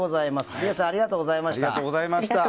リエさんありがとうございました。